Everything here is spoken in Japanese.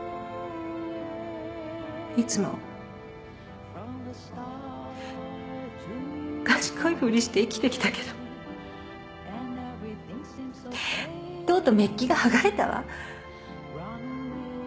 いつも賢いふりして生きてきたけどとうとうメッキが剥がれたわ。